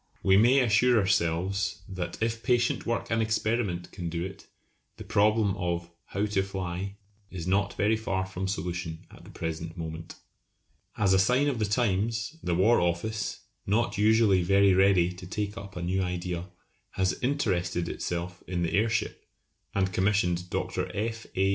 We may assure ourselves that if patient work and experiment can do it the problem of "how to fly" is not very far from solution at the present moment. As a sign of the times, the War Office, not usually very ready to take up a new idea, has interested itself in the airship, and commissioned Dr. F. A.